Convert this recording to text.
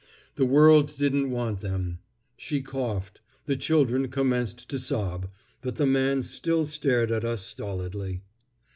The world didn't want them. She coughed. The children commenced to sob, but the man still stared at us stolidly.